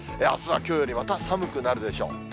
あすはきょうより、また寒くなるでしょう。